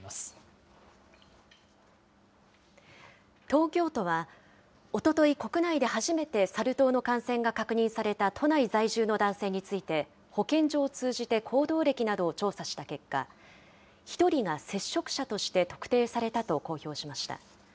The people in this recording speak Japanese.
東京都は、おととい国内で初めてサル痘の感染が確認された都内在住の男性について、保健所を通じて行動歴などを調査した結果、１人が接触者として特定されたと公表しました。